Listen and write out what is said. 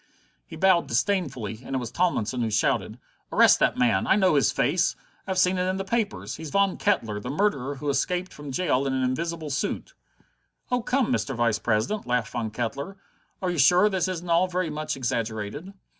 He bowed disdainfully, and it was Tomlinson who shouted: "Arrest that man! I know his face! I've seen it in the papers. He's Von Kettler, the murderer who escaped from jail in an invisible suit." "Oh, come, Mr. Vice president," laughed Von Kettler, "are you sure this isn't all very much exaggerated?"